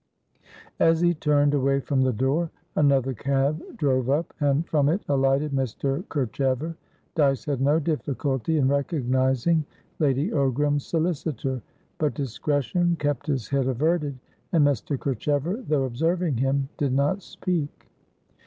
As he turned away from the door, another cab drove up, and from it alighted Mr. Kerchever. Dyce had no difficulty in recognising Lady Ogram's solicitor, but discretion kept his head averted, and Mr. Kerchever, though observing him, did not speak.